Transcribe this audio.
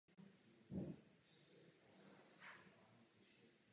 Obecně je Chamberlain hodnocen spíše jako obchodník než dobrý diplomat a politik.